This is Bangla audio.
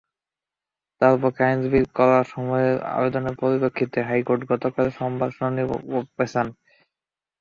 তাঁর পক্ষে আইনজীবীদের করা সময়ের আবেদনের পরিপ্রেক্ষিতে হাইকোর্ট গতকাল সোমবার শুনানি পেছান।